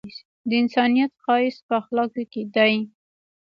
د انسان ښایست په اخلاقو کي دی!